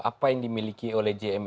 apa yang dimiliki oleh jmi